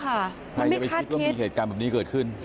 ใครจะไปคิดว่ามีเหตุการณ์แบบนี้เกิดขึ้น